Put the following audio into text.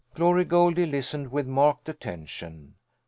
Glory Goldie listened with marked attention.